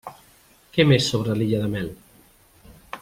Què més sobre l'illa de Mel?